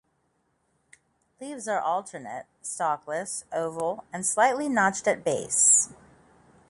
Leaves are alternate, stalkless, oval, and slightly notched at base.